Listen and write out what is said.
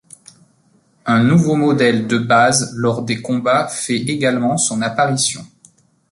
Un nouveau modèle de base lors des combats fait également son apparition.